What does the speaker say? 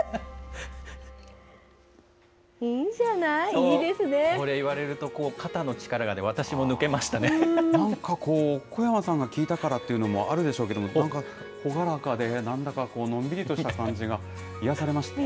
それ言われると、肩の力が、なんかこう、小山さんが聞いたからっていうのもあるでしょうけれども、朗らかで、なんだかこう、のんびりとした感じが癒やされました。